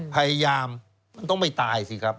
พยายามมันต้องไม่ตายสิครับ